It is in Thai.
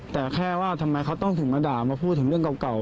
แต่แค่ว่าทำไมเขาต้องถึงมาด่ามาพูดถึงเรื่องเก่า